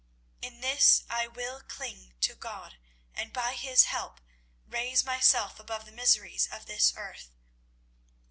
In this way I will cling to God and by His help raise myself above the miseries of this earth.